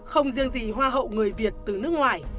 không riêng gì hoa hậu người việt từ nước ngoài